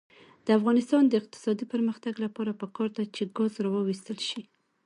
د افغانستان د اقتصادي پرمختګ لپاره پکار ده چې ګاز راوویستل شي.